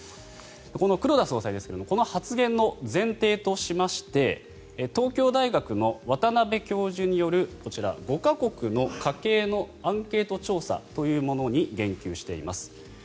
この黒田総裁ですがこの発言の前提としまして東京大学の渡辺教授によるこちら５か国の家計のアンケート調査というものに言及しています。